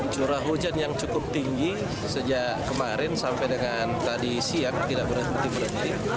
curah hujan yang cukup tinggi sejak kemarin sampai dengan tadi siang tidak berhenti berhenti